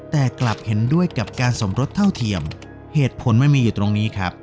แต่กลับเห็นด้วยกับการสมรสเท่าเทียมเหตุผลมันมีอยู่ตรงนี้ครับ